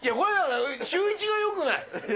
シューイチがよくない。